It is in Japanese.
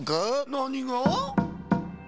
なにが？